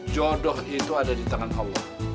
jodoh itu ada di tangan allah